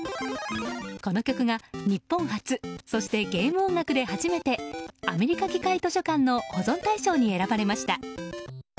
この曲が、日本初そしてゲーム音楽で初めてアメリカ議会図書館の保存対象に選ばれました。